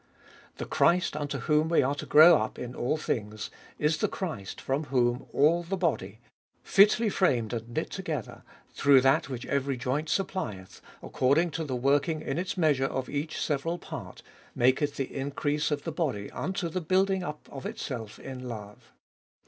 The Christ unto whom we are to grow up in all things is the Christ " from 134 abe IDoliest or ail whom all the body, fitly framed and knit together, through that which every joint supplieth, according to the working in its measure of each several part, maketh the increase of the body unto the building up of itself in love."